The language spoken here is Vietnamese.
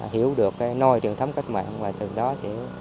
hiểu được cái nôi truyền thống cách mạng và từ đó sẽ